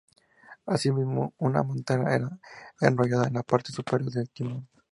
Así mismo, una manta era enrollada en la parte superior del timón.